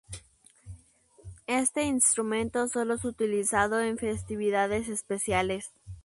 Este instrumento solo es utilizado en festividades especiales.